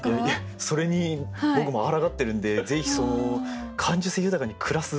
それに僕もあらがってるんでぜひその感受性豊かに暮らすコツを。